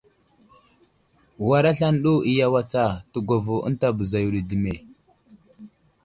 War aslane ɗo iyaway tsa, təgwavo ənta bəza yo ɗi dəme !